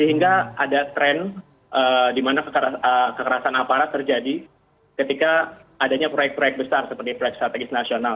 sehingga ada tren di mana kekerasan aparat terjadi ketika adanya proyek proyek besar seperti proyek strategis nasional